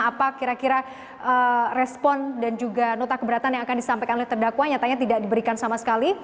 apa kira kira respon dan juga nota keberatan yang akan disampaikan oleh terdakwa nyatanya tidak diberikan sama sekali